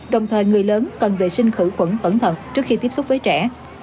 đồng thời người lớn cần vệ sinh khử quẩn tẩn thật trước khi tiếp xúc với trẻ